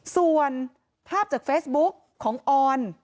ส่วนภาพจากเฟซบุ๊กของออน